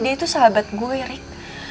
dia tuh sahabat gue rik